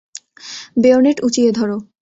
Bayonet উঁচিয়ে ধরো!